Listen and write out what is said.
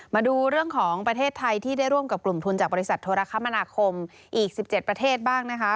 มาดูเรื่องของประเทศไทยที่ได้ร่วมกับกลุ่มทุนจากบริษัทโทรคมนาคมอีก๑๗ประเทศบ้างนะคะ